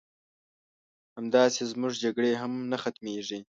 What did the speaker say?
همداسې زمونږ جګړې هم نه ختميږي